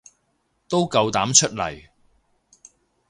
都夠膽出嚟